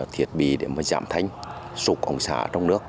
thiệt bì để giảm thanh sụp ống xả trong nước